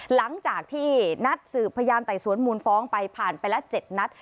หลังจากที่นัดสืบพยานไต่สวนมูลฟ้องไปผ่านไปละ๗นัด